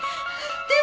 でも。